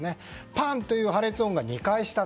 パンという破裂音が２回した。